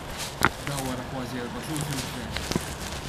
Dan wara kważi erba' xhur fil-gvern.